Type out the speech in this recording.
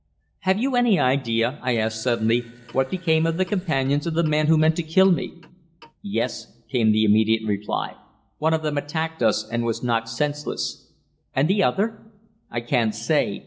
"Have you any idea," I asked suddenly, "what became of the companions of the man who meant to kill me?" "Yes," came the immediate reply. "One of them attacked us, and was knocked senseless." "And the other?" "I can't say.